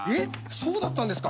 そうだったんですか？